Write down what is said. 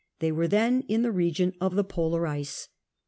They were then in the region of Polar ice.